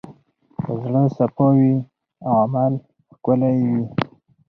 که زړه صفا وي، عمل ښکلی وي.